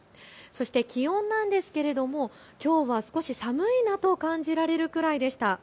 気温なんですけれどきょうは少し寒いなと感じられるくらいでした。